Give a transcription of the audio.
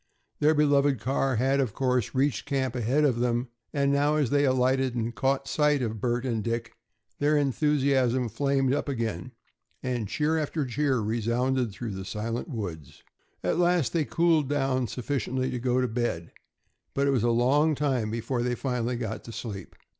Their beloved car had, of course, reached camp ahead of them, and now, as they alighted and caught sight of Bert and Dick, their enthusiasm flamed up again, and cheer after cheer resounded through the silent woods. At last they cooled down sufficiently to go to bed, but it was a long time before they finally got to sleep.